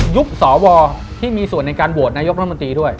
ยุคสอบอที่มีส่วนในการโบสถ์นายกน้องมันตรีด้วย